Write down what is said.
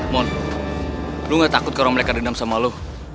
mon lu gak takut kalau mereka dendam sama lo